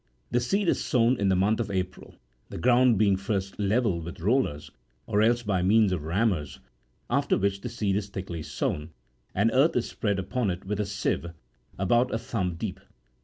The seed is sown in the month of April, the ground being first levelled with rollers, or else by means of rammers ;50 after which the seed is thickly sown, and earth is spread upon it with a sieve, about a thumb deep.